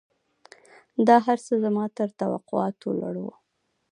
دا هرڅه زما تر توقعاتو لوړ وو.